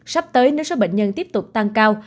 sắp tới nếu số bệnh nhân tiếp tục tăng cao